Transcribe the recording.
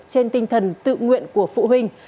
trên tinh thần tự nguyện của phụ huynh